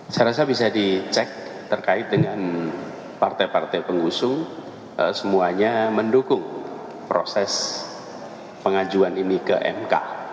saya rasa bisa dicek terkait dengan partai partai pengusung semuanya mendukung proses pengajuan ini ke mk